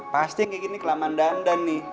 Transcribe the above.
pasti yang kayak gini kelamaan dandan nih